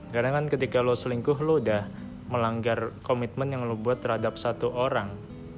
karena kan ketika lo selingkuh lo udah melanggar komitmen yang lo buat terhadap satu orang